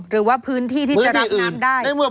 หรือว่าพื้นที่ที่จะรับน้ำได้